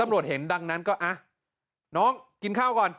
ตำรวจเห็นดังนั้นก็น้องกินข้าวก่อน